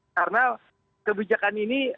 karena kebijakan ini